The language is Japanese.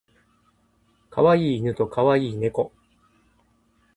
可愛い犬と可愛い猫